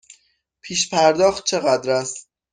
پیش پرداخت چقدر است؟